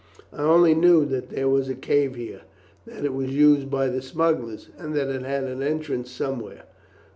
"I only knew that there was a cave here, that it was used by the smugglers, and that it had an entrance somewhere.